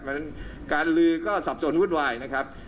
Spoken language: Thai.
เพราะฉะนั้นการลือก็สับสนวุ่นวายนะครับ